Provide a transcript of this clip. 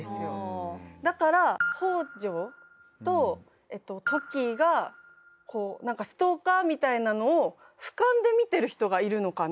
だから北条と土岐がこうなんかストーカーみたいなのを俯瞰で見てる人がいるのかな。